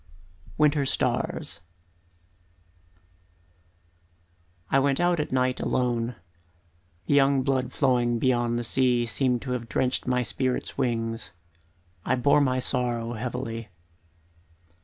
Winter Stars I went out at night alone; The young blood flowing beyond the sea Seemed to have drenched my spirit's wings I bore my sorrow heavily.